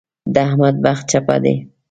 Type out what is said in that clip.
د احمد بخت چپه دی.